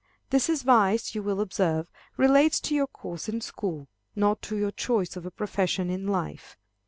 This advice, you will observe, relates to your course in school, not to your choice of a profession in life.